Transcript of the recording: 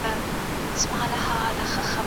زده کړه د انټرنیټ په مرسته ډېره اسانه سوې ده.